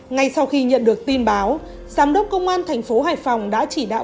ngay sau khi nhận được tin báo giám đốc công an tp hải phòng đã chỉ đạo